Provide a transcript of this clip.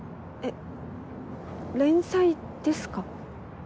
えっ連載ですか？